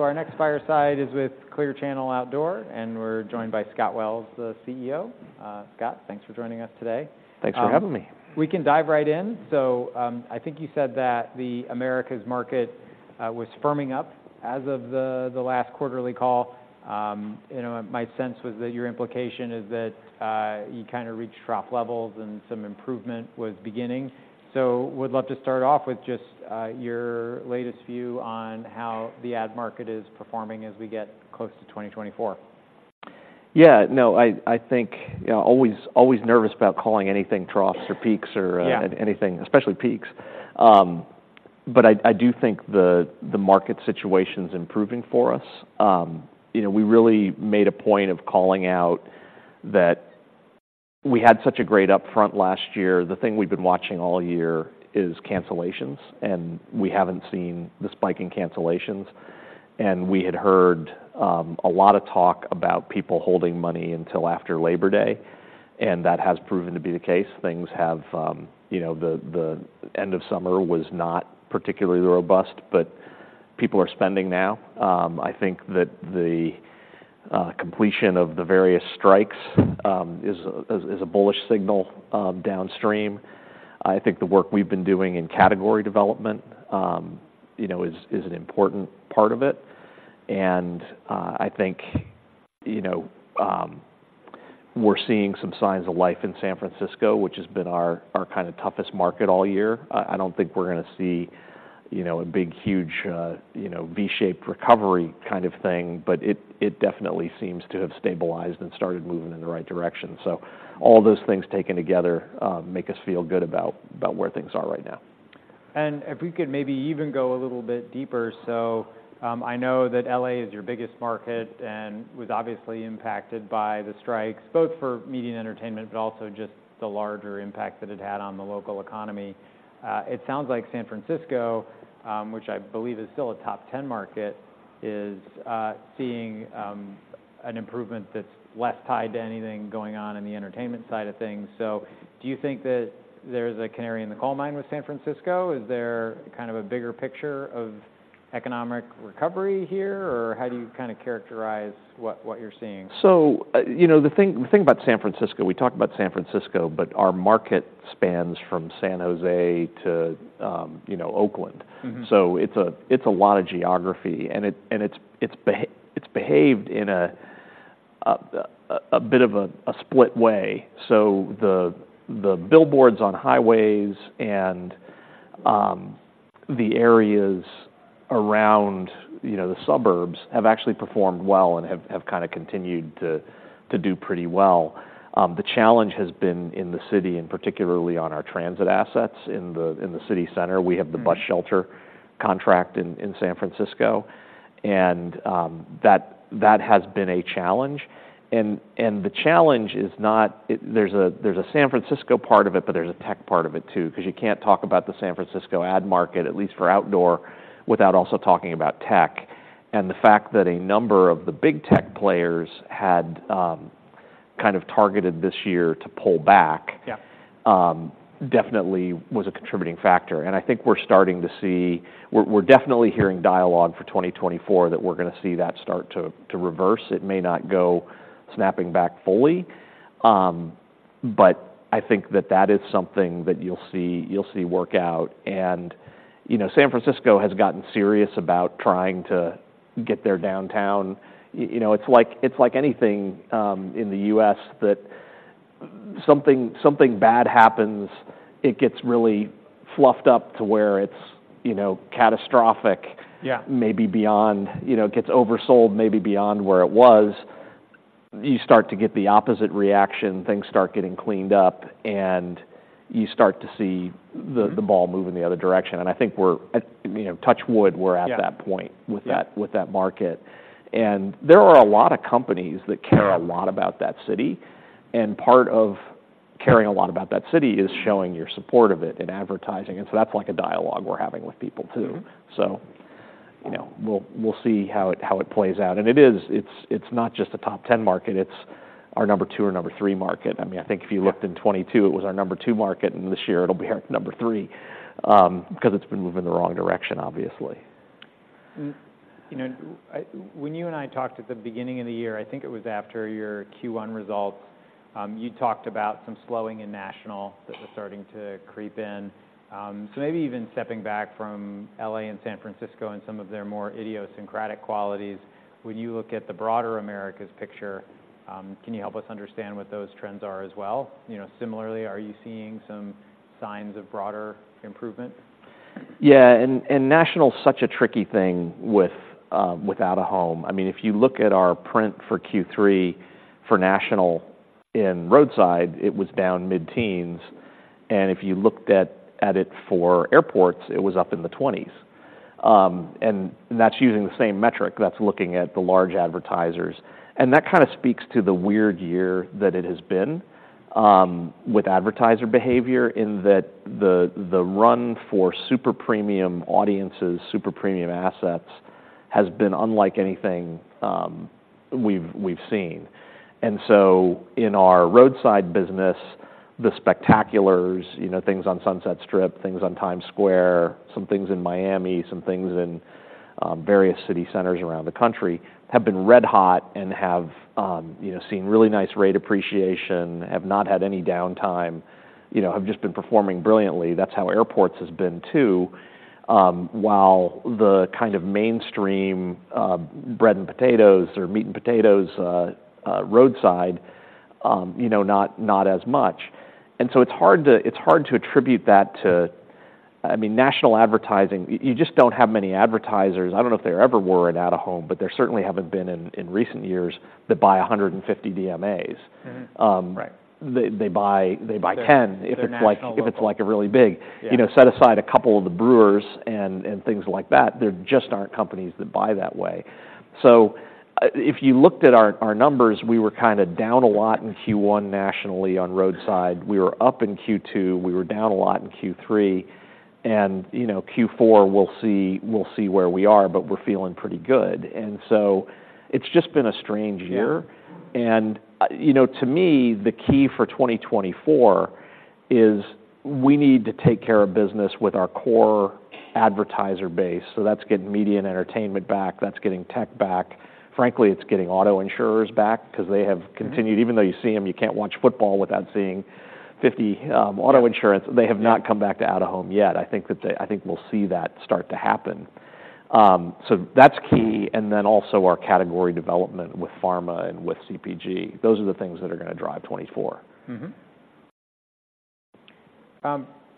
Our next fireside is with Clear Channel Outdoor, and we're joined by Scott Wells, the CEO. Scott, thanks for joining us today. Thanks for having me. We can dive right in. So, I think you said that the Americas market was firming up as of the last quarterly call. You know, my sense was that your implication is that you kind of reached trough levels and some improvement was beginning. So would love to start off with just your latest view on how the ad market is performing as we get close to 2024? Yeah, no, I think, you know, always, always nervous about calling anything troughs or peaks or. Yeah... anything, especially peaks. But I do think the market situation's improving for us. You know, we really made a point of calling out that we had such a great upfront last year. The thing we've been watching all year is cancellations, and we haven't seen the spike in cancellations. We had heard a lot of talk about people holding money until after Labor Day, and that has proven to be the case. Things have, you know, the end of summer was not particularly robust, but people are spending now. I think that the completion of the various strikes is a bullish signal downstream. I think the work we've been doing in category development, you know, is an important part of it. And, I think, you know, we're seeing some signs of life in San Francisco, which has been our kind of toughest market all year. I don't think we're gonna see, you know, a big, huge, you know, V-shaped recovery kind of thing, but it definitely seems to have stabilized and started moving in the right direction. So all those things taken together make us feel good about where things are right now. If we could maybe even go a little bit deeper. So, I know that LA is your biggest market and was obviously impacted by the strikes, both for media and entertainment, but also just the larger impact that it had on the local economy. It sounds like San Francisco, which I believe is still a top 10 market, is seeing an improvement that's less tied to anything going on in the entertainment side of things. So do you think that there's a canary in the coal mine with San Francisco? Is there kind of a bigger picture of economic recovery here, or how do you kind of characterize what, what you're seeing? You know, the thing, the thing about San Francisco, we talk about San Francisco, but our market spans from San Jose to, you know, Oakland. Mm-hmm. So it's a lot of geography, and it's behaved in a bit of a split way. So the billboards on highways and the areas around, you know, the suburbs have actually performed well and have kind of continued to do pretty well. The challenge has been in the city and particularly on our transit assets in the city center. Mm-hmm. We have the bus shelter contract in San Francisco, and that has been a challenge. The challenge is there's a San Francisco part of it, but there's a tech part of it, too, 'cause you can't talk about the San Francisco ad market, at least for outdoor, without also talking about tech. And the fact that a number of the big tech players had kind of targeted this year to pull back- Yeah... definitely was a contributing factor, and I think we're starting to see... We're definitely hearing dialogue for 2024, that we're gonna see that start to reverse. It may not go snapping back fully, but I think that is something that you'll see work out. And, you know, San Francisco has gotten serious about trying to get their downtown... You know, it's like anything in the U.S., that something bad happens, it gets really fluffed up to where it's, you know, catastrophic- Yeah... maybe beyond, you know, it gets oversold, maybe beyond where it was. You start to get the opposite reaction. Things start getting cleaned up, and you start to see- Mm-hmm... the ball move in the other direction. And I think we're at, you know, touch wood, we're at that point- Yeah... with that, with that market. And there are a lot of companies that care a lot about that city, and part of caring a lot about that city is showing your support of it in advertising, and so that's like a dialogue we're having with people, too. Mm-hmm. So, you know, we'll see how it plays out. And it is. It's not just a top 10 market. It's our number two or number three market. I mean, I think if you looked in 2022, it was our number two market, and this year it'll be our number three, 'cause it's been moving in the wrong direction, obviously. You know, when you and I talked at the beginning of the year, I think it was after your Q1 results, you talked about some slowing in national- Mm... that was starting to creep in. So maybe even stepping back from LA and San Francisco and some of their more idiosyncratic qualities, when you look at the broader Americas picture, can you help us understand what those trends are as well? You know, similarly, are you seeing some signs of broader improvement? Yeah, national's such a tricky thing with without a home. I mean, if you look at our print for Q3, for national in roadside, it was down mid-teens%, and if you looked at it for airports, it was up in the twenties%. And that's using the same metric that's looking at the large advertisers. And that kind of speaks to the weird year that it has been with advertiser behavior, in that the run for super premium audiences, super premium assets, has been unlike anything we've seen. And so in our roadside business-... the spectaculars, you know, things on Sunset Strip, things on Times Square, some things in Miami, some things in various city centers around the country, have been red hot and have, you know, seen really nice rate appreciation, have not had any downtime, you know, have just been performing brilliantly. That's how airports has been, too. While the kind of mainstream, bread and potatoes or meat and potatoes, roadside, you know, not, not as much. And so it's hard to attribute that to... I mean, national advertising, you just don't have many advertisers, I don't know if there ever were in out-of-home, but there certainly haven't been in recent years, that buy 150 DMAs. Mm-hmm. Right. They buy ten- They're national level.... if it's like a really big. Yeah. You know, set aside a couple of the brewers and things like that, there just aren't companies that buy that way. So, if you looked at our numbers, we were kind of down a lot in Q1 nationally on roadside. We were up in Q2, we were down a lot in Q3, and, you know, Q4, we'll see, we'll see where we are, but we're feeling pretty good. And so it's just been a strange year. Yeah. You know, to me, the key for 2024 is we need to take care of business with our core advertiser base. So that's getting media and entertainment back, that's getting tech back. Frankly, it's getting auto insurers back because they have continued- Mm-hmm... even though you see them, you can't watch football without seeing 50 auto insurance. Yeah. They have not come back to out-of-home yet. I think we'll see that start to happen. So that's key, and then also our category development with pharma and with CPG. Those are the things that are gonna drive 2024. Mm-hmm.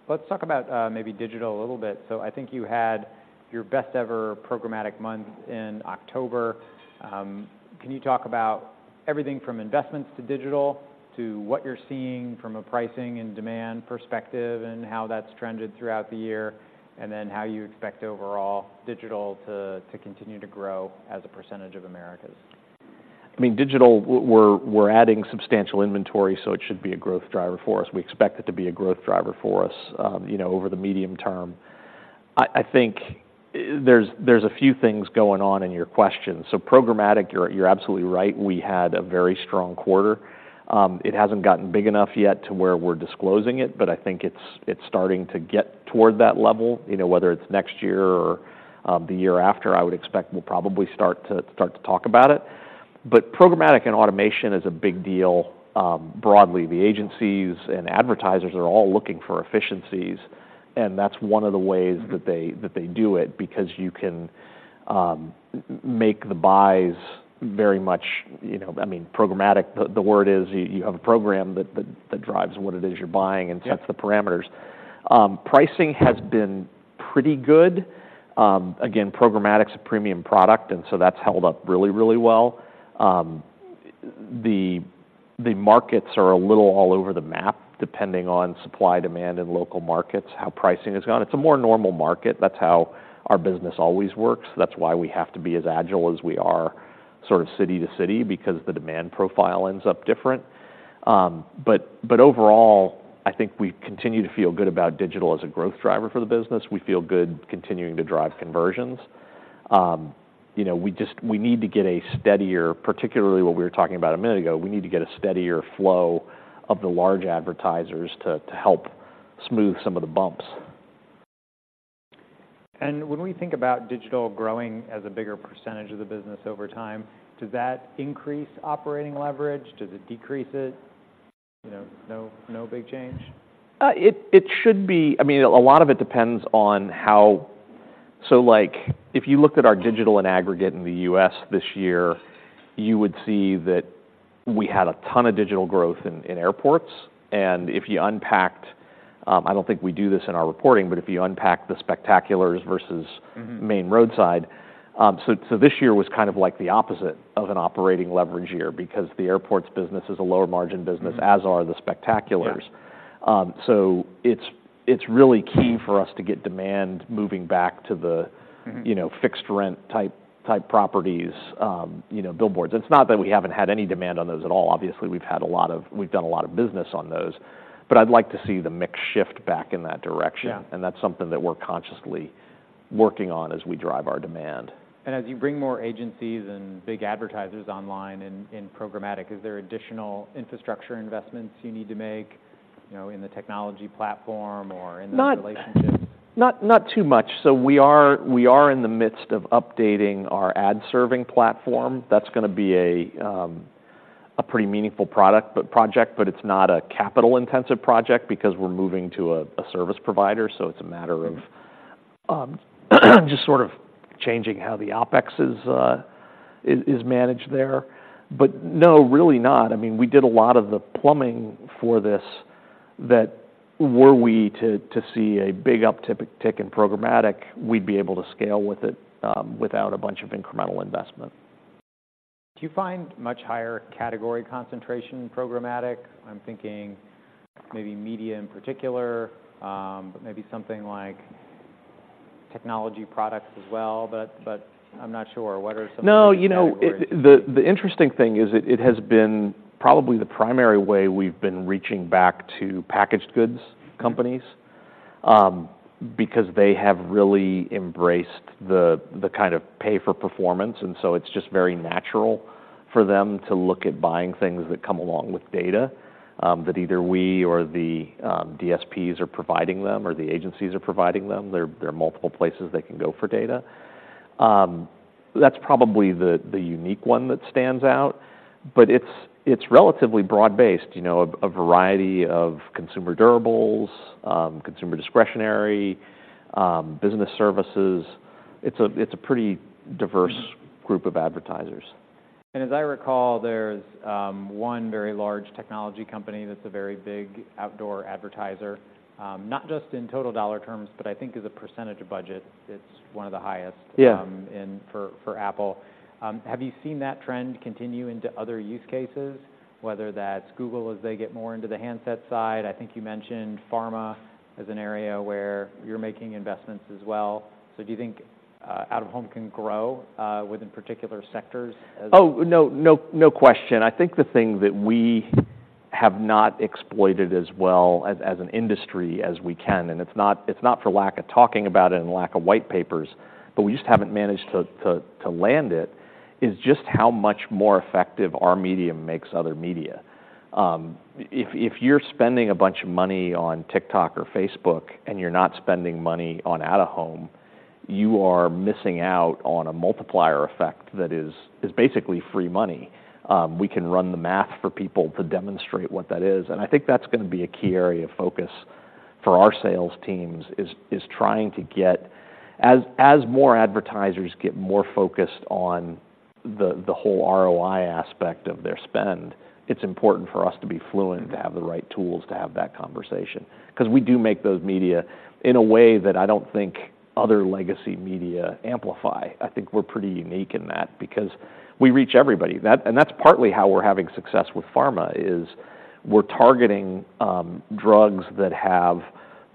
Let's talk about maybe digital a little bit. So I think you had your best ever programmatic month in October. Can you talk about everything from investments to digital, to what you're seeing from a pricing and demand perspective, and how that's trended throughout the year, and then how you expect overall digital to continue to grow as a percentage of Americas? I mean, digital, we're adding substantial inventory, so it should be a growth driver for us. We expect it to be a growth driver for us, you know, over the medium term. I think there's a few things going on in your question. So programmatic, you're absolutely right, we had a very strong quarter. It hasn't gotten big enough yet to where we're disclosing it, but I think it's starting to get toward that level. You know, whether it's next year or the year after, I would expect we'll probably start to talk about it. But programmatic and automation is a big deal. Broadly, the agencies and advertisers are all looking for efficiencies, and that's one of the ways- Mm-hmm... that they do it, because you can make the buys very much... You know, I mean, programmatic, the word is you have a program that drives what it is you're buying- Yeah... and sets the parameters. Pricing has been pretty good. Again, programmatic's a premium product, and so that's held up really, really well. The markets are a little all over the map, depending on supply, demand, and local markets, how pricing has gone. It's a more normal market. That's how our business always works. That's why we have to be as agile as we are, sort of city to city, because the demand profile ends up different. But overall, I think we continue to feel good about digital as a growth driver for the business. We feel good continuing to drive conversions. You know, we just, we need to get a steadier, particularly what we were talking about a minute ago, we need to get a steadier flow of the large advertisers to help smooth some of the bumps. When we think about digital growing as a bigger percentage of the business over time, does that increase operating leverage? Does it decrease it? You know, no, no big change? It should be... I mean, a lot of it depends on how... So, like, if you looked at our digital and aggregate in the U.S. this year, you would see that we had a ton of digital growth in airports. And if you unpacked... I don't think we do this in our reporting, but if you unpack the spectaculars versus- Mm-hmm... main roadside, so this year was kind of like the opposite of an operating leverage year because the airports business is a lower margin business. Mm-hmm... as are the spectaculars. Yeah. So it's really key for us to get demand moving back to the- Mm-hmm... you know, fixed rent type properties, you know, billboards. It's not that we haven't had any demand on those at all. Obviously, we've done a lot of business on those, but I'd like to see the mix shift back in that direction. Yeah. That's something that we're consciously working on as we drive our demand. As you bring more agencies and big advertisers online in programmatic, is there additional infrastructure investments you need to make, you know, in the technology platform or in those relationships? Not too much. So we are in the midst of updating our ad serving platform. That's gonna be a pretty meaningful project, but it's not a capital-intensive project because we're moving to a service provider. So it's a matter of just sort of changing how the OpEx is managed there. But no, really not. I mean, we did a lot of the plumbing for this that, were we to see a big uptick in programmatic, we'd be able to scale with it without a bunch of incremental investment. Do you find much higher category concentration in programmatic? I'm thinking maybe media in particular, but maybe something like technology products as well. But, but I'm not sure. What are some of the categories- No, you know, the interesting thing is it has been probably the primary way we've been reaching back to packaged goods companies. Because they have really embraced the kind of pay for performance, and so it's just very natural for them to look at buying things that come along with data that either we or the DSPs are providing them, or the agencies are providing them. There are multiple places they can go for data. That's probably the unique one that stands out, but it's relatively broad-based, you know, a variety of consumer durables, consumer discretionary, business services. It's a pretty diverse group of advertisers. As I recall, there's one very large technology company that's a very big outdoor advertiser. Not just in total dollar terms, but I think as a percentage of budget, it's one of the highest- Yeah In for Apple. Have you seen that trend continue into other use cases, whether that's Google, as they get more into the handset side? I think you mentioned pharma as an area where you're making investments as well. So do you think out-of-home can grow within particular sectors as- Oh, no, no, no question. I think the thing that we have not exploited as well as, as an industry as we can, and it's not, it's not for lack of talking about it and lack of white papers, but we just haven't managed to land it, is just how much more effective our medium makes other media. If you're spending a bunch of money on TikTok or Facebook and you're not spending money on out-of-home, you are missing out on a multiplier effect that is basically free money. We can run the math for people to demonstrate what that is, and I think that's gonna be a key area of focus for our sales teams, is trying to get... As more advertisers get more focused on the whole ROI aspect of their spend, it's important for us to be fluent, to have the right tools to have that conversation. 'Cause we do make those media in a way that I don't think other legacy media amplify. I think we're pretty unique in that because we reach everybody. And that's partly how we're having success with pharma, is we're targeting drugs that have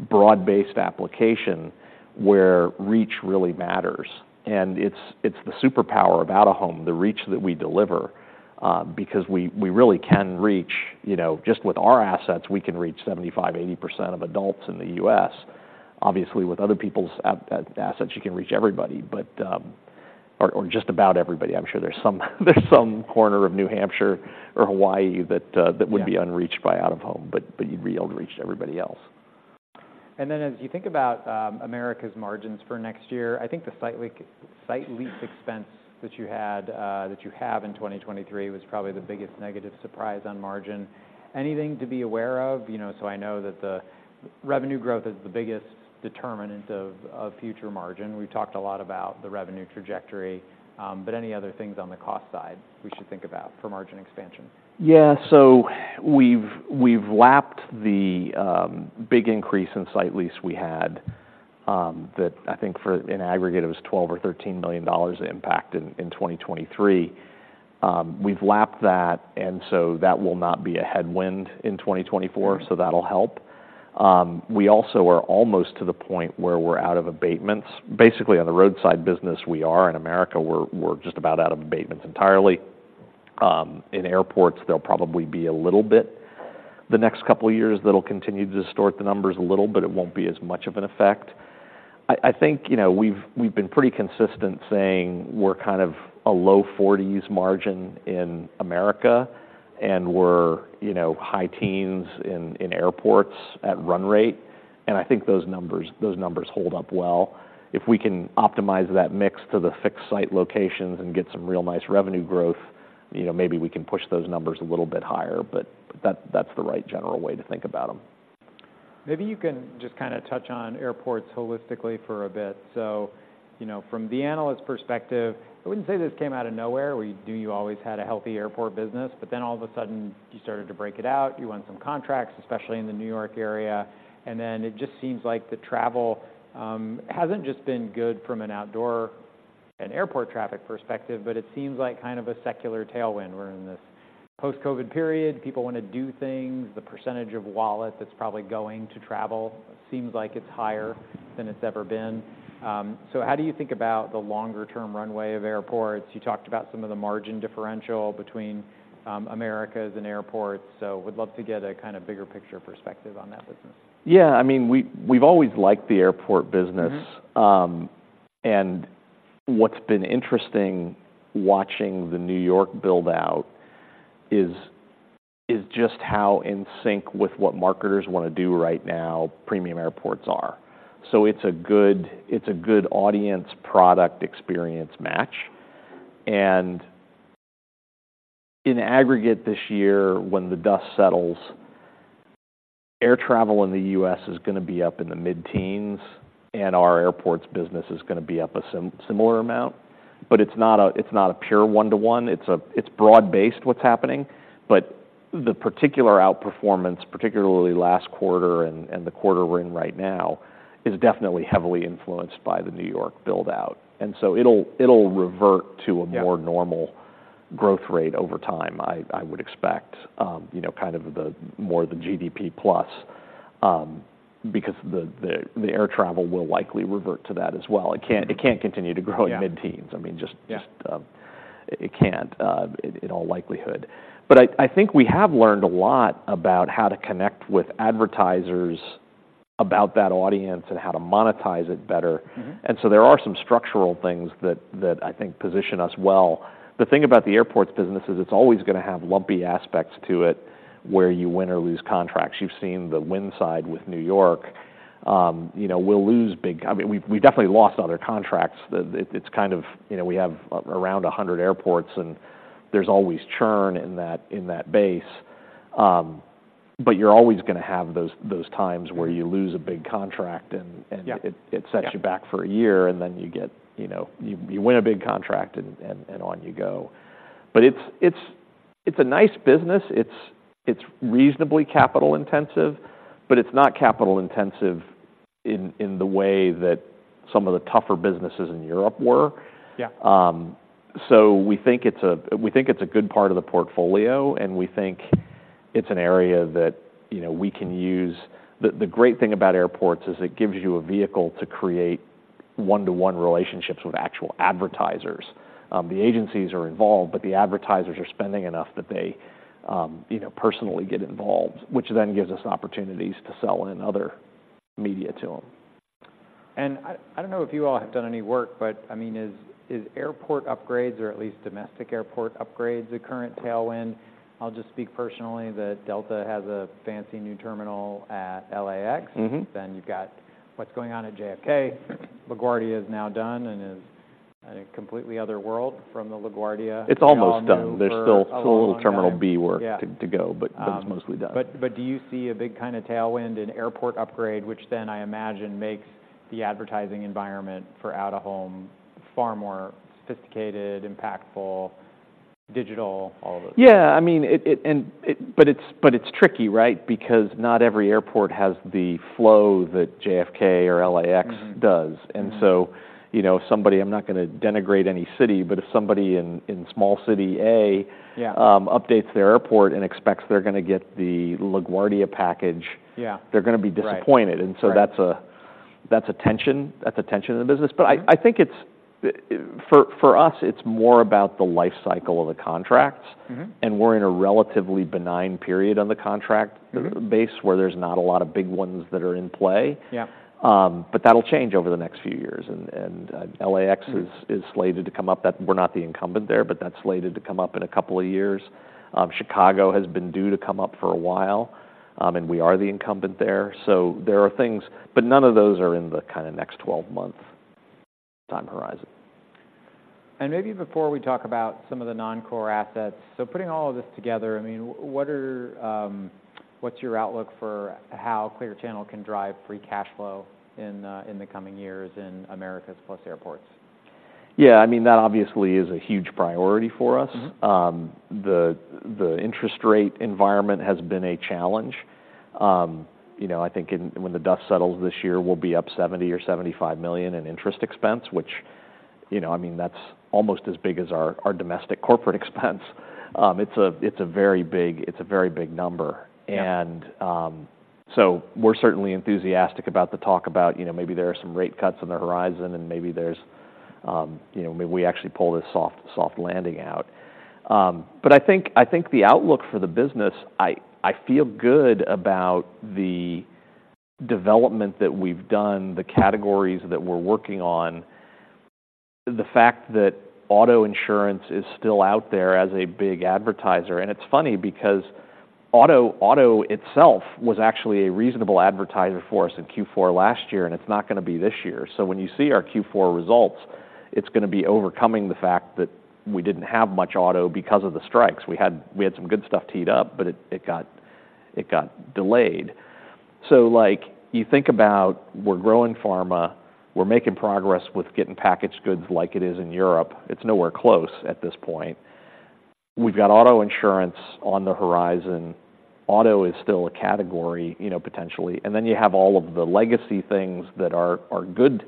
broad-based application, where reach really matters. And it's the superpower of out-of-home, the reach that we deliver, because we really can reach, you know... Just with our assets, we can reach 75%-80% of adults in the U.S. Obviously, with other people's out assets, you can reach everybody, but or just about everybody. I'm sure there's some corner of New Hampshire or Hawaii that- Yeah... would be unreached by out-of-home, but, but you'd be able to reach everybody else. Then as you think about America's margins for next year, I think the site lease expense that you had, that you have in 2023 was probably the biggest negative surprise on margin. Anything to be aware of? You know, so I know that the revenue growth is the biggest determinant of future margin. We've talked a lot about the revenue trajectory, but any other things on the cost side we should think about for margin expansion? Yeah. So we've lapped the big increase in site lease we had, that I think for, in aggregate, it was $12 million or $13 million impact in 2023. We've lapped that, and so that will not be a headwind in 2024. Mm-hmm. So that'll help. We also are almost to the point where we're out of abatements. Basically, on the roadside business, we are in America. We're just about out of abatements entirely. In airports, they'll probably be a little bit. The next couple of years, that'll continue to distort the numbers a little, but it won't be as much of an effect. I think, you know, we've been pretty consistent saying we're kind of a low-40s margin in America, and we're, you know, high teens in airports at run rate, and I think those numbers hold up well. If we can optimize that mix to the fixed site locations and get some real nice revenue growth, you know, maybe we can push those numbers a little bit higher, but that's the right general way to think about them. Maybe you can just kind of touch on airports holistically for a bit. So, you know, from the analyst's perspective, I wouldn't say this came out of nowhere. We knew you always had a healthy airport business, but then all of a sudden, you started to break it out. You won some contracts, especially in the New York area, and then it just seems like the travel hasn't just been good from an outdoor and airport traffic perspective, but it seems like kind of a secular tailwind. We're in this post-COVID period. People want to do things. The percentage of wallet that's probably going to travel seems like it's higher than it's ever been. So how do you think about the longer-term runway of airports? You talked about some of the margin differential between Americas and airports, so would love to get a kind of bigger picture perspective on that business. Yeah, I mean, we've always liked the airport business. Mm-hmm. And what's been interesting watching the New York build-out is just how in sync with what marketers want to do right now, premium airports are. So it's a good audience-product experience match. And in aggregate, this year, when the dust settles, air travel in the U.S. is gonna be up in the mid-teens, and our airports business is gonna be up a similar amount. But it's not a pure one-to-one. It's broad-based, what's happening, but the particular outperformance, particularly last quarter and the quarter we're in right now, is definitely heavily influenced by the New York build-out. And so it'll revert to a- Yeah... more normal growth rate over time, I would expect. You know, kind of the more the GDP plus, because the air travel will likely revert to that as well. It can't continue to grow- Yeah... in mid-teens. I mean, just- Yeah... just, it can't, in all likelihood. But I think we have learned a lot about how to connect with advertisers about that audience and how to monetize it better. Mm-hmm. And so there are some structural things that I think position us well. The thing about the airports business is it's always gonna have lumpy aspects to it, where you win or lose contracts. You've seen the win side with New York. You know, we'll lose big - I mean, we've definitely lost other contracts. It, it's kind of, you know, we have around a hundred airports, and there's always churn in that base. But you're always gonna have those times- Mm... where you lose a big contract, and Yeah... it sets you back for a year, and then you get, you know, you win a big contract, and on you go. But it's a nice business. It's reasonably capital-intensive, but it's not capital-intensive in the way that some of the tougher businesses in Europe were. Yeah. So we think it's a good part of the portfolio, and we think it's an area that, you know, we can use. The great thing about airports is it gives you a vehicle to create one-to-one relationships with actual advertisers. The agencies are involved, but the advertisers are spending enough that they, you know, personally get involved, which then gives us opportunities to sell in other media to them. And I don't know if you all have done any work, but, I mean, is airport upgrades or at least domestic airport upgrades a current tailwind? I'll just speak personally that Delta has a fancy new terminal at LAX. Mm-hmm. Then you've got what's going on at JFK. LaGuardia is now done and is in a completely other world from the LaGuardia- It's almost done. We all knew for a long time. There's still a little Terminal B work- Yeah to go, but it's mostly done. But, but do you see a big kind of tailwind in airport upgrade, which then, I imagine, makes the advertising environment for out-of-home far more sophisticated, impactful, digital, all of those things? Yeah, I mean, it's tricky, right? Because not every airport has the flow that JFK or LAX- Mm-hmm... does. Mm-hmm. You know, somebody... I'm not gonna denigrate any city, but if somebody in small city A- Yeah... updates their airport and expects they're gonna get the LaGuardia package- Yeah... they're gonna be disappointed. Right. And so that's a, that's a tension, that's a tension in the business. Yeah. But I think it's for us, it's more about the life cycle of the contracts. Mm-hmm. We're in a relatively benign period on the contract- Mm base, where there's not a lot of big ones that are in play. Yeah. But that'll change over the next few years, and LAX- Mm... is, is slated to come up. That we're not the incumbent there, but that's slated to come up in a couple of years. Chicago has been due to come up for a while, and we are the incumbent there. So there are things, but none of those are in the kind of next 12-month time horizon. And maybe before we talk about some of the non-core assets, so putting all of this together, I mean, what's your outlook for how Clear Channel can drive free cash flow in the coming years in Americas plus airports? Yeah, I mean, that obviously is a huge priority for us. Mm-hmm. The interest rate environment has been a challenge. You know, I think when the dust settles this year, we'll be up $70 million or $75 million in interest expense, which, you know, I mean, that's almost as big as our, our domestic corporate expense. It's a, it's a very big, it's a very big number. Yeah. So we're certainly enthusiastic about the talk about, you know, maybe there are some rate cuts on the horizon, and maybe there's, you know, maybe we actually pull this soft landing out. I think the outlook for the business, I feel good about the development that we've done, the categories that we're working on, the fact that auto insurance is still out there as a big advertiser. And it's funny because auto itself was actually a reasonable advertiser for us in Q4 last year, and it's not gonna be this year. So when you see our Q4 results, it's gonna be overcoming the fact that we didn't have much auto because of the strikes. We had some good stuff teed up, but it got delayed. So like, you think about we're growing pharma, we're making progress with getting packaged goods like it is in Europe. It's nowhere close at this point. We've got auto insurance on the horizon. Auto is still a category, you know, potentially. And then you have all of the legacy things that are good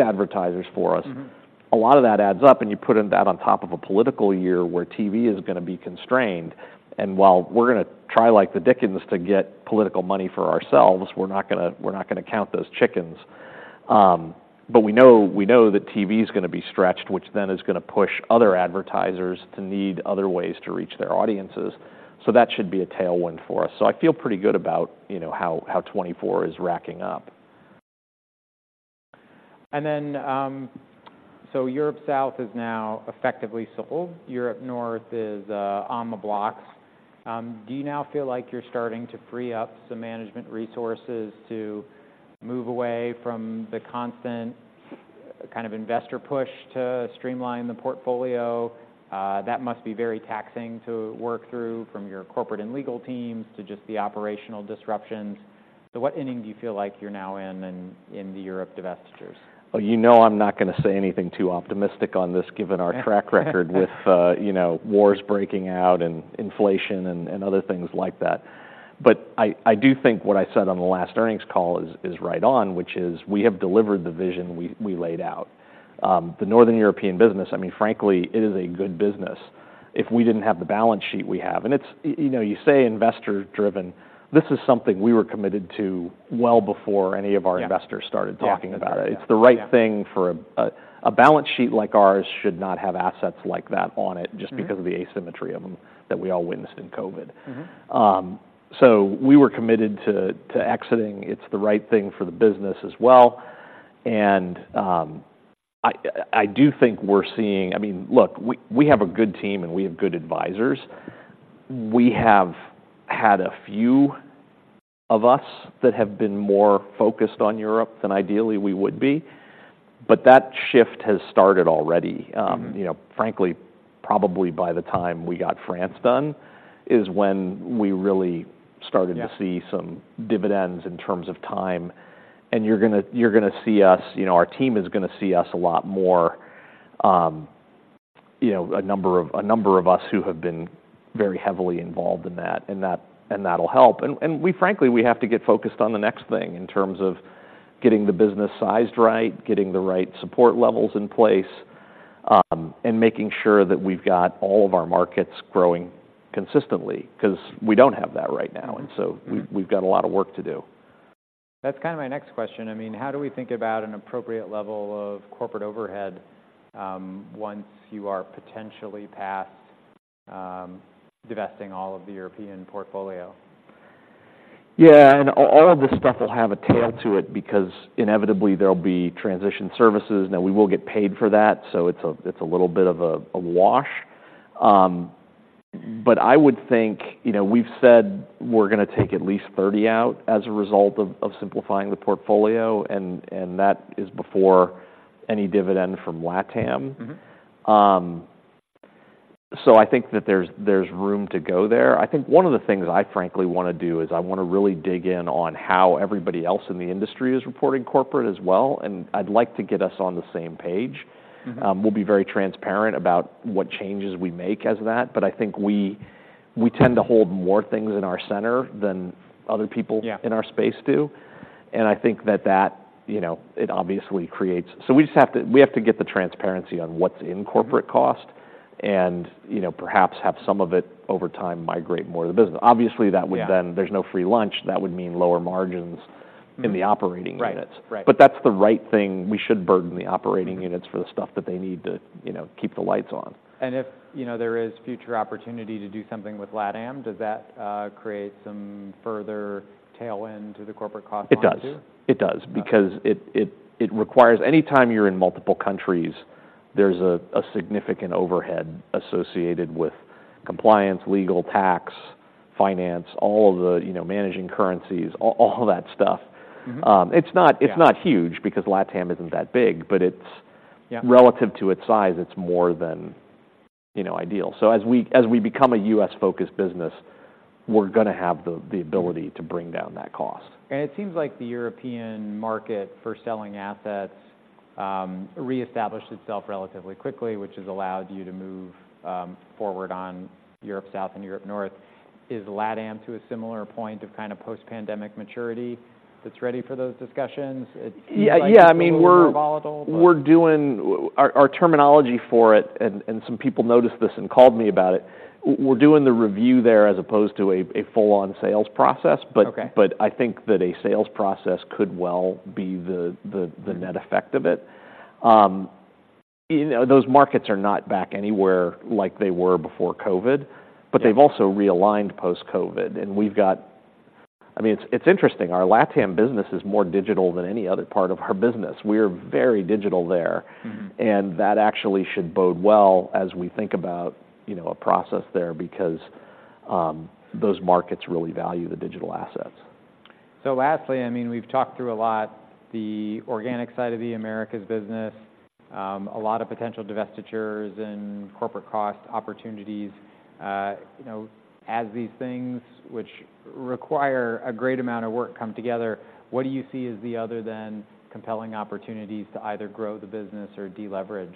advertisers for us. Mm-hmm. A lot of that adds up, and you put in that on top of a political year, where TV is gonna be constrained. And while we're gonna try like the dickens to get political money for ourselves, we're not gonna, we're not gonna count those chickens. But we know, we know that TV is gonna be stretched, which then is gonna push other advertisers to need other ways to reach their audiences. So that should be a tailwind for us. So I feel pretty good about, you know, how, how 2024 is racking up. And then, so Europe South is now effectively sold. Europe North is on the blocks. Do you now feel like you're starting to free up some management resources to move away from the constant kind of investor push to streamline the portfolio? That must be very taxing to work through from your corporate and legal teams to just the operational disruptions. So what inning do you feel like you're now in the Europe divestitures? Well, you know, I'm not gonna say anything too optimistic on this, given our track record with, you know, wars breaking out and inflation and other things like that. But I do think what I said on the last earnings call is right on, which is, we have delivered the vision we laid out. The Northern European business, I mean, frankly, it is a good business if we didn't have the balance sheet we have. And it's, you know, you say investor-driven, this is something we were committed to well before any of our- Yeah... investors started talking about it. Yeah. It's the right thing for a balance sheet like ours should not have assets like that on it- Mm-hmm... just because of the asymmetry of them that we all witnessed in COVID. Mm-hmm. So we were committed to exiting. It's the right thing for the business as well. I do think we're seeing... I mean, look, we have a good team, and we have good advisors. We have had a few of us that have been more focused on Europe than ideally we would be, but that shift has started already. Mm-hmm... you know, frankly, probably by the time we got France done, is when we really started- Yeah... to see some dividends in terms of time. And you're gonna see us, you know, our team is gonna see us a lot more, you know, a number of us who have been very heavily involved in that, and that'll help. And we, frankly, we have to get focused on the next thing in terms of getting the business sized right, getting the right support levels in place, and making sure that we've got all of our markets growing consistently, 'cause we don't have that right now, and so- Mm... we've got a lot of work to do. That's kind of my next question. I mean, how do we think about an appropriate level of corporate overhead, once you are potentially past divesting all of the European portfolio? Yeah, and all, all of this stuff will have a tail to it because inevitably there'll be transition services. Now, we will get paid for that, so it's a, it's a little bit of a, a wash. But I would think, you know, we've said we're gonna take at least 30 out as a result of, of simplifying the portfolio and, and that is before any dividend from LATAM. Mm-hmm. I think that there's room to go there. I think one of the things I frankly wanna do is I wanna really dig in on how everybody else in the industry is reporting corporate as well, and I'd like to get us on the same page. Mm-hmm. We'll be very transparent about what changes we make as that, but I think we tend to hold more things in our center than other people- Yeah... in our space do. I think that, you know, it obviously creates... So we just have to get the transparency on what's in corporate cost- Mm-hmm... and, you know, perhaps have some of it, over time, migrate more to the business. Obviously, that would then- Yeah... there's no free lunch. That would mean lower margins- Mm ... in the operating units. Right. Right. But that's the right thing. We should burden the operating units- Mm-hmm... for the stuff that they need to, you know, keep the lights on. If, you know, there is future opportunity to do something with LATAM, does that create some further tailwind to the corporate cost down, too? It does. Okay... because it requires, anytime you're in multiple countries, there's a significant overhead associated with compliance, legal, tax, finance, all of the, you know, managing currencies, all that stuff. Mm-hmm. It's not- Yeah... it's not huge because LATAM isn't that big, but it's- Yeah... relative to its size, it's more than, you know, ideal. So as we become a U.S.-focused business, we're gonna have the ability- Mm... to bring down that cost. It seems like the European market for selling assets reestablished itself relatively quickly, which has allowed you to move forward on Europe South and Europe North. Is LATAM to a similar point of kind of post-pandemic maturity that's ready for those discussions? It seems like- Yeah. Yeah, I mean, we're- more volatile, but-... we're doing our terminology for it, and some people noticed this and called me about it. We're doing the review there as opposed to a full-on sales process, but- Okay... but I think that a sales process could well be the net effect of it. You know, those markets are not back anywhere like they were before COVID- Yeah... but they've also realigned post-COVID, and we've got... I mean, it's, it's interesting, our LATAM business is more digital than any other part of our business. We're very digital there. Mm-hmm. That actually should bode well as we think about, you know, a process there, because those markets really value the digital assets. So lastly, I mean, we've talked through a lot, the organic side of the Americas business, a lot of potential divestitures and corporate cost opportunities. You know, as these things, which require a great amount of work, come together, what do you see as the other than compelling opportunities to either grow the business or de-leverage,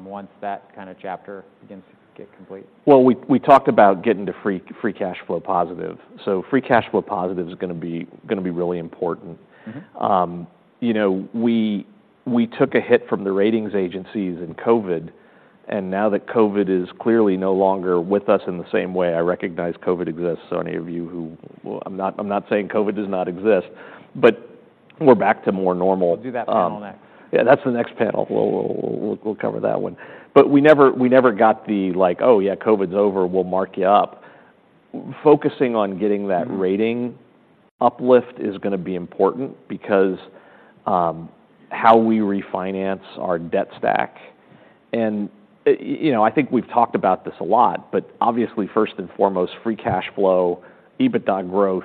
once that kind of chapter begins to get complete? Well, we talked about getting to free cash flow positive. So free cash flow positive is gonna be really important. Mm-hmm. You know, we took a hit from the ratings agencies in COVID, and now that COVID is clearly no longer with us in the same way... I recognize COVID exists, so any of you who, well, I'm not saying COVID does not exist, but we're back to more normal. We'll do that panel next. Yeah, that's the next panel. We'll cover that one. But we never got the like, "Oh, yeah, COVID's over, we'll mark you up." Focusing on getting that- Mm... rating uplift is gonna be important because how we refinance our debt stack, and you know, I think we've talked about this a lot, but obviously, first and foremost, free cash flow, EBITDA growth,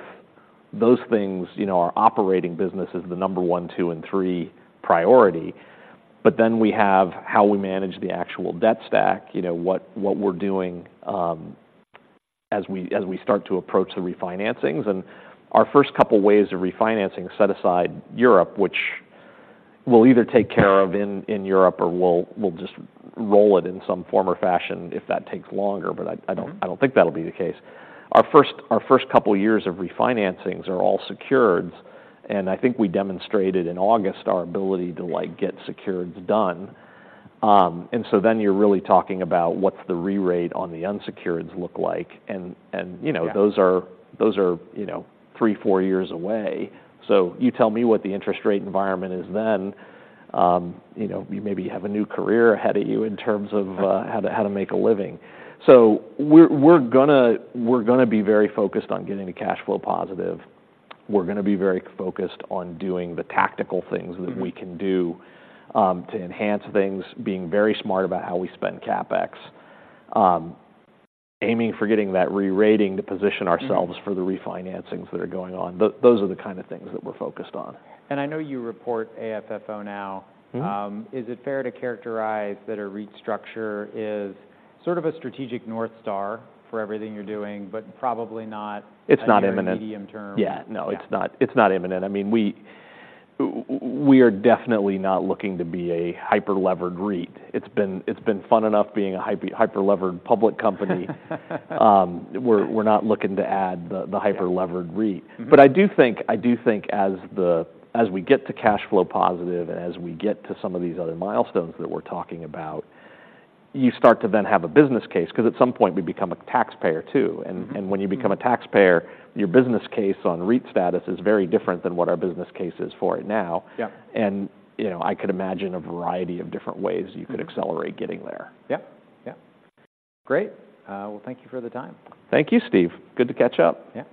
those things, you know, our operating business is the number one, two, and three priority. But then we have how we manage the actual debt stack, you know, what we're doing as we start to approach the refinancings. And our first couple ways of refinancing, set aside Europe, which we'll either take care of in Europe or we'll just roll it in some form or fashion if that takes longer, but I don't- Mm... I don't think that'll be the case. Our first, our first couple years of refinancings are all secured, and I think we demonstrated in August our ability to, like, get secureds done. And so then you're really talking about what's the re-rate on the unsecureds look like? And, and, you know- Yeah... Those are, those are, you know, three, four years away. So you tell me what the interest rate environment is then, you know, you maybe have a new career ahead of you in terms of- Right... how to make a living. So we're gonna be very focused on getting to cash flow positive. We're gonna be very focused on doing the tactical things- Mm-hmm... that we can do, to enhance things, being very smart about how we spend CapEx. Aiming for getting that re-rating to position ourselves- Mm-hmm... for the refinancings that are going on. Those are the kind of things that we're focused on. I know you report AFFO now. Mm-hmm. Is it fair to characterize that a REIT structure is sort of a strategic North Star for everything you're doing, but probably not- It's not imminent.... near medium term? Yeah. No- Yeah... it's not imminent. I mean, we are definitely not looking to be a hyper-levered REIT. It's been fun enough being a hyper-levered public company. We're not looking to add the hyper-levered REIT. Mm-hmm. I do think, I do think as we get to cash flow positive and as we get to some of these other milestones that we're talking about, you start to then have a business case, 'cause at some point, we become a taxpayer, too. Mm-hmm. When you become a taxpayer, your business case on REIT status is very different than what our business case is for it now. Yeah. You know, I could imagine a variety of different ways you could accelerate getting there. Yep, yeah. Great. Well, thank you for the time. Thank you, Steve. Good to catch up. Yeah.